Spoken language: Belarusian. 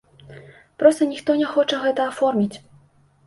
Проста ніхто не хоча гэта аформіць.